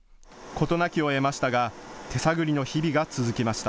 事なきをえましたが手探りの日々が続きました。